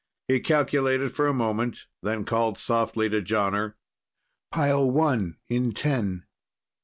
He calculated for a moment, then called softly to Jonner: "Pile One, in ten."